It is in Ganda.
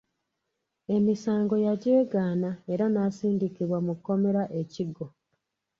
Emisango yagyegaana era n’asindikibwa mu kkomera e Kigo.